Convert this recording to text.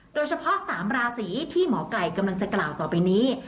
โดยเฉพาะ๓ราศีที่หมอไก่กำลังจะกล่าวต่อไปนี้